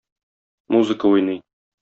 Музыка уйный.